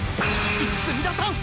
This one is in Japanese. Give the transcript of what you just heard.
泉田さん！！